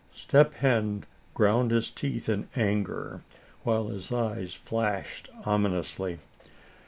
Step Hen ground his teeth in anger, while his eyes flashed ominously.